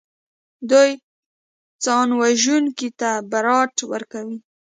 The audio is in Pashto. دوی ځانوژونکي ته برائت ورکوي